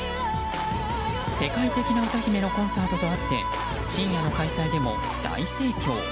世界的な歌姫のコンサートとあって深夜の開催でも大盛況。